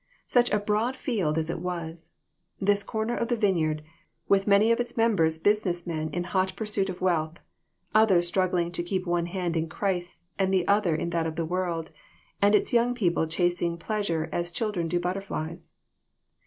Such a broad field as it was ! this corner of the vineyard, with many of its members business men in hot pursuit of wealth, others struggling to keep one hand in Christ's and the other in that of the world, and its young people chasing pleasure as children do butterflies.